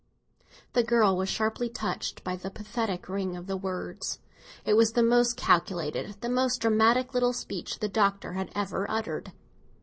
The girl was sharply touched by the pathetic ring of the words; it was the most calculated, the most dramatic little speech the Doctor had ever uttered.